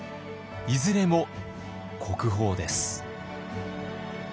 いずれも国宝です。